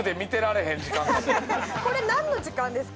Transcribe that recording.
これなんの時間ですか？